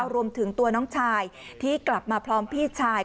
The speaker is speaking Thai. รวมถึงตัวน้องชายที่กลับมาพร้อมพี่ชาย